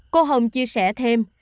cô hồng chia sẻ thêm